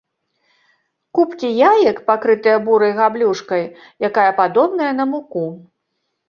Купкі яек пакрытыя бурай габлюшкай якая падобная на муку.